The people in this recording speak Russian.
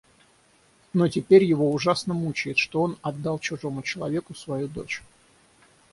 Но теперь его ужасно мучает, что он отдал чужому человеку свою дочь.